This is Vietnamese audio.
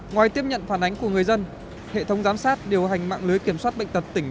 ngoài tiếp nhận phản ánh của người dân hệ thống giám sát điều hành mạng lưới kiểm soát bệnh tật tỉnh